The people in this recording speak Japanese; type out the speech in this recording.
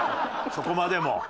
そこまでも。